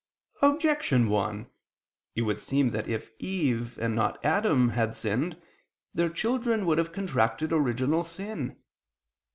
Objection 1: It would seem that if Eve, and not Adam, had sinned, their children would have contracted original sin.